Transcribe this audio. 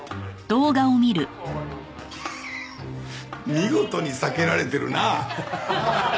見事に避けられてるな。